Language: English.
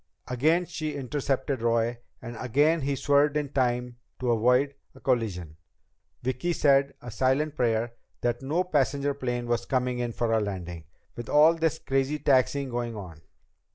Again she intercepted Roy, and again he swerved in time to avoid a collision. Vicki said a silent prayer that no passenger plane was coming in for a landing, with all this crazy taxiing going on.